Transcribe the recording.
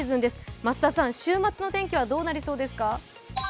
増田さん、週末の天気はどうなりそうですか？